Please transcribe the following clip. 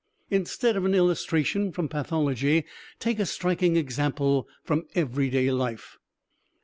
Instead of an illustration from pathology take a striking example from everyday life.